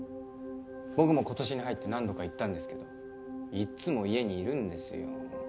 僕も今年に入って何度か行ったんですけどいっつも家にいるんですよ。